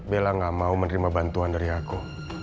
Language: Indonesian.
bella gak mau menerima bantuan dari aku